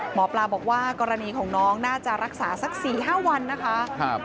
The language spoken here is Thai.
หมอปลาบอกว่ากรณีของน้องน่าจะรักษาสัก๔๕วันนะคะ